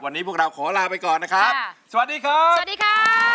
วันนี้พวกเราขอลาไปก่อนนะครับสวัสดีครับสวัสดีครับ